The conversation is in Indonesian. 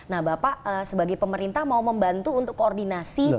nah bapak sebagai pemerintah mau membantu untuk koordinasi